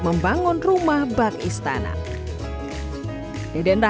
penghasilan dari jualan tas ini pun digunakan untuk